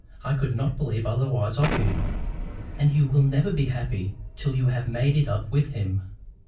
I could not believe otherwise of you. And you will never be happy till you have made it up with him.